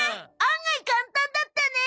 案外簡単だったね。